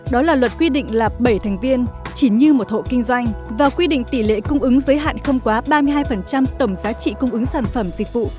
đó là luật quy định là bảy thành viên chỉ như một hộ kinh doanh và quy định tỷ lệ cung ứng giới hạn không quá ba mươi hai tổng giá trị cung ứng sản phẩm dịch vụ